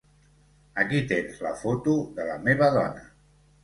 Aquí tens la foto de la meva dona.